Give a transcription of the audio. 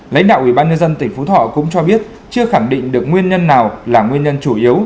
lãnh đạo ubnd tỉnh phú thọ cũng cho biết chưa khẳng định được nguyên nhân nào là nguyên nhân chủ yếu